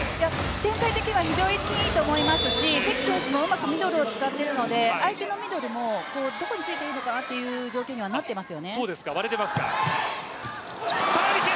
全体的には非常にいいと思いますし関選手もうまくミドルを使っているので相手のミドルもどこについていいのかという状況になっています。